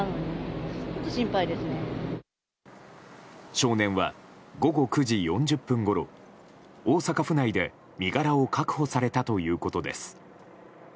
少年は、午後９時４０分ごろ大阪府内で身柄を確保されたということです。